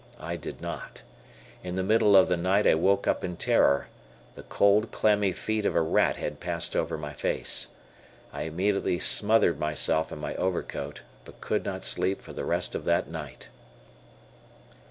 I did not. In the middle of the night I woke up in terror. The cold, clammy feet of a rat had passed over my face. I immediately smothered myself in my overcoat, but could not sleep for the rest of that night.